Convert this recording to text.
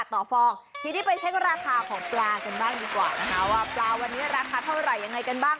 ต่อฟองทีนี้ไปเช็คราคาของปลากันบ้างดีกว่านะคะว่าปลาวันนี้ราคาเท่าไหร่ยังไงกันบ้าง